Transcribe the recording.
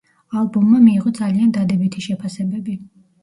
ალბომმა მიიღო ძალიან დადებითი შეფასებები.